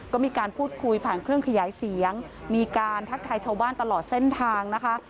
ก็มีการพูดคุยผ่านเครื่องขยายเสียงมีการทักทายชาวบ้านตลอดเส้นทางนะคะ